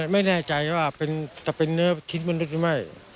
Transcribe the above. ไม่แน่ใจว่าจะเป็นเนื้อคิดมนุษย์หรือไม่